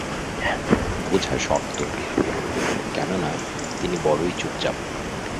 বোঝা শক্ত, কেননা তিনি বড়োই চুপচাপ।